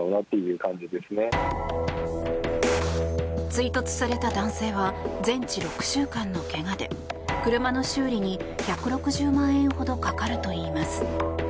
追突された男性は全治６週間のけがで車の修理に１６０万円ほどかかるといいます。